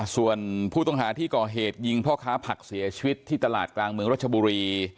ส่วนผู้ต้องหาที่ก่อเหตุยิงพ่อค้าผักเสียชีวิตที่ตลาดกลางเมืองรัชบุรี